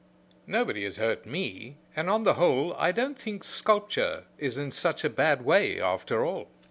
"Nobody has hurt me, and, on the whole, I don't think sculpture is in such a bad way, after all.